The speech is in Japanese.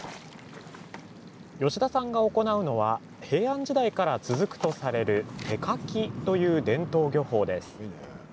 吉田さんが行うのは平安時代から続くとされる手かきという伝統漁法です。